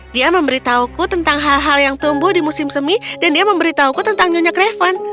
dia memberitahuku tentang hal hal yang tumbuh di musim semi dan dia memberitahuku tentang nyonya craven